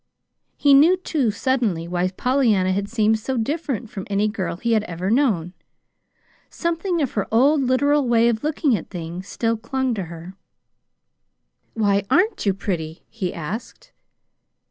He knew, too, suddenly, why Pollyanna had seemed so different from any girl he had ever known. Something of her old literal way of looking at things still clung to her. "Why aren't you pretty?" he asked.